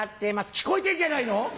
聞こえてんじゃないの？